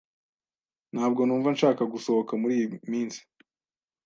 Ntabwo numva nshaka gusohoka muriyi minsi.